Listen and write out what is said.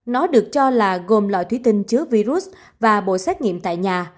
nó được cho là gồm loại thúy tinh chứa virus và bộ xét nghiệm tại nhà